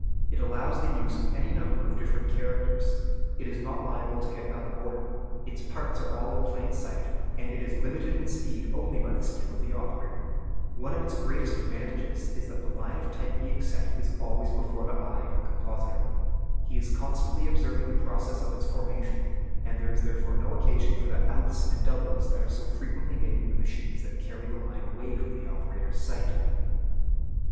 It allows the use of any number of different characters, it is not liable to get out of order, its parts are all in plain sight, and it is limited in speed only by the skill of the operator. One of its greatest advantages is that the line of type being set is always before the eye of the compositor. He is constantly observing the process of its formation; and there is therefore no occasion for the "outs" and "doublets" that are so frequently made in the machines that carry the line away from the operator's sight.